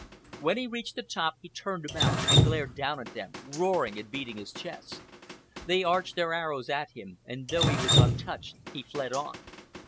When he reached the top, he turned about and glared down at them, roaring and beating his chest. They arched their arrows at him, and though he was untouched he fled on.